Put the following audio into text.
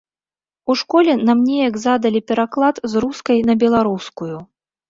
У школе нам неяк задалі пераклад з рускай на беларускую.